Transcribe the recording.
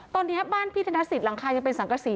ตอนนี้บ้านพี่ธนสิทธิหลังคายังเป็นสังกษี